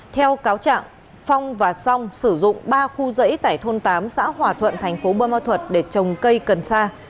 theo cáo trạng phong và song sử dụng ba khu dãy tại thôn tám xã hòa thuận thành phố bơ ma thuật để trồng cây cần sa